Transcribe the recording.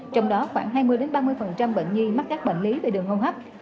trong đó khoảng hai mươi ba mươi bệnh nhi mắc các bệnh lý về đường hô hấp